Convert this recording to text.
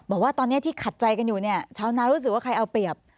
บอกว่าตอนนี้ที่ขัดใจกันอยู่เนี่ยชาวนารู้สึกว่าใครเอาเปรียบ